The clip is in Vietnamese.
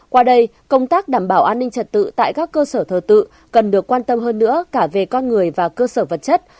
qua đây công tác đảm bảo an ninh trật tự tại các cơ sở thờ tự cần được quan tâm hơn nữa cả về con người và cơ sở vật chất